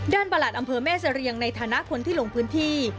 ประหลัดอำเภอแม่เสรียงในฐานะคนที่ลงพื้นที่